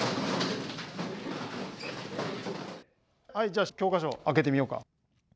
じゃあ教科書、開けてみようか。